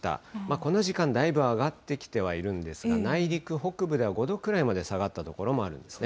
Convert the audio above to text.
この時間、だいぶ上がってきてはいるんですが、内陸、北部では５度くらいまで下がった所もあるんですね。